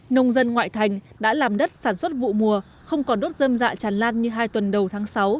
nông dân ngoại thành đã làm đất sản xuất vụ mùa không còn đốt dâm dạ tràn lan như hai tuần đầu tháng sáu